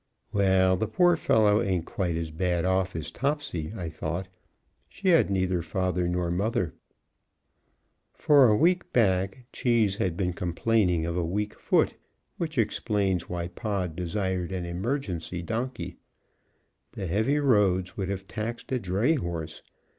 Well, the poor fellow ain't quite as bad off as Topsy, I thought she had neither father nor mother. For a week back Cheese had been complaining of a weak foot, which explains why Pod desired an emergency donkey. The heavy roads would have taxed a dray horse.